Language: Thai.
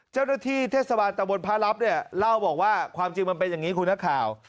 เจ้าหน้าที่เทศบาลตะบนพระรับเนี่ยเล่าบอกว่าความจริงมันเป็นอย่างนี้คุณนักข่าว